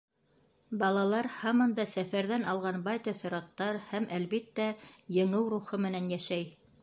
Балалар һаман да сәфәрҙән алған бай тәьҫораттар һәм, әлбиттә, еңеү рухы менән йәшәй.